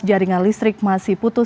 jaringan listrik masih putus